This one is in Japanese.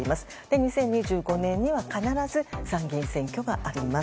２０２５年には必ず参議院選挙があります。